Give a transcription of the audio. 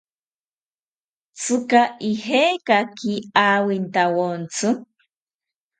¿Tzika ijekaki awintawontzi?